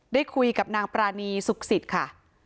ได้คุยกับนางปรานีสุขสิทธิ์ค่ะ